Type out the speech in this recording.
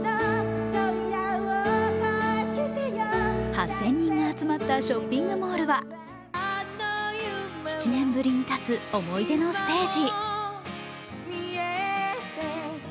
８０００人が集まったショッピングモールは７年ぶりに立つ思い出のステージ。